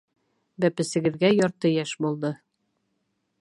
Бәпесегеҙгә ярты йәш булды.